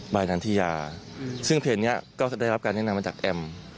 ยนันทิยาซึ่งเพลงนี้ก็ได้รับการแนะนำมาจากแอม